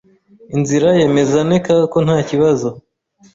inzira yemeza neka ko ntakibazo